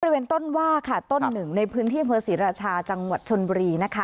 บริเวณต้นว่าค่ะต้นหนึ่งในพื้นที่อำเภอศรีราชาจังหวัดชนบุรีนะคะ